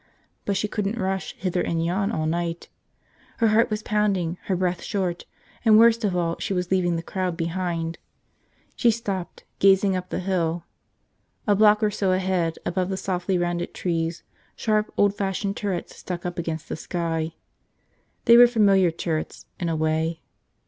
But she couldn't rush hither and yon all night. Her heart was pounding, her breath short, and worst of all she was leaving the crowd behind. She stopped, gazing up the hill. A block or so ahead, above the softly rounded trees, sharp old fashioned turrets stuck up against the sky. They were familiar turrets, in a way.